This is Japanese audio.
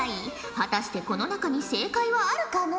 果たしてこの中に正解はあるかのう？